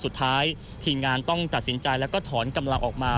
ทีมงานต้องตัดสินใจแล้วก็ถอนกำลังออกมา